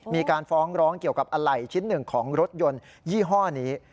มีการฟ้องร้องเกี่ยวกับอะไหล่ชิ้นหนึ่งของรถยนต์ยี่ห้อนี้